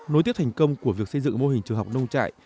nối tiếp thành công của việc xây dựng mô hình trường học nông trại